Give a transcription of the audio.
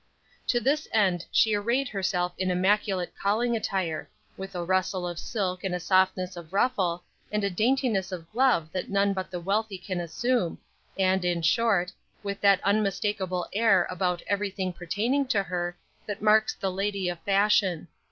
To this end she arrayed herself in immaculate calling attire with a rustle of silk and a softness of ruffle, and a daintiness of glove that none but the wealthy can assume, and, in short, with that unmistakable air about every thing pertaining to her that marks the lady of fashion.